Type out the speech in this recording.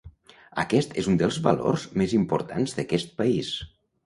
Aquest és un dels valors més importants d’aquest país.